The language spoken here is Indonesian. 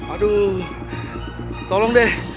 aduh tolong deh